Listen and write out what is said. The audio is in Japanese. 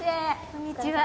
こんにちは。